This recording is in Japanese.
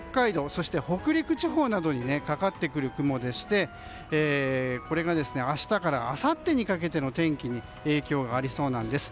そして北陸地方などにかかってくる雲でして、これが明日からあさってにかけての天気に影響がありそうなんです。